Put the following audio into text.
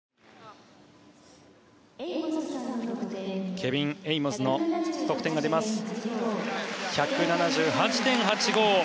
ケビン・エイモズの得点は１７８．８５。